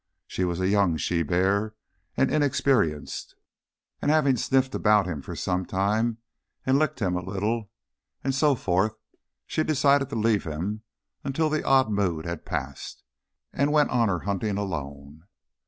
She was a young she bear, and inexperienced, and having sniffed about him for some time and licked him a little, and so forth, she decided to leave him until the odd mood had passed, and went on her hunting alone.